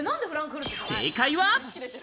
正解は。